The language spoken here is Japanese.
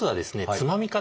つまみ方？